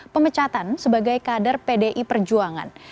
pemecatan sebagai kader pdi perjuangan